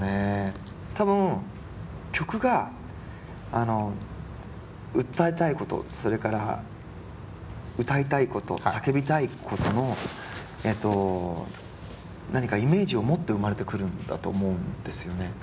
多分曲が訴えたいことそれから歌いたいこと叫びたいことのえっと何かイメージを持って生まれてくるんだと思うんですよね。